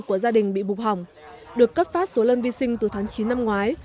của gia đình bị bục hỏng được cấp phát số lân vi sinh từ tháng chín năm ngoái